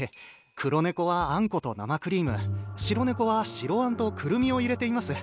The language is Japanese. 黒猫はあんこと生クリーム白猫は白あんとクルミを入れています。